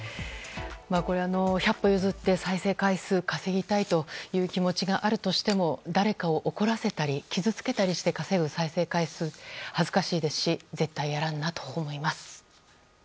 百歩譲って再生回数を稼ぎたい気持ちがあるとしても誰かを怒らせたり傷つけたりする稼ぐ再生回数は恥ずかしいですし絶対嫌だなと思います。